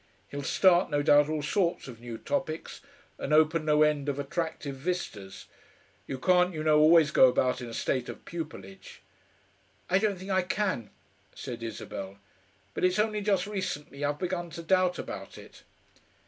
He'll start, no doubt, all sorts of new topics, and open no end of attractive vistas.... You can't, you know, always go about in a state of pupillage." "I don't think I can," said Isabel. "But it's only just recently I've begun to doubt about it."